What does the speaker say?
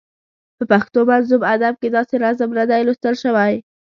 په پښتو منظوم ادب کې داسې نظم نه دی لوستل شوی.